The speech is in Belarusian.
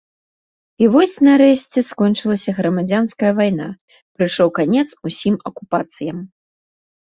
І вось, нарэшце, скончылася грамадзянская вайна, прыйшоў канец усім акупацыям.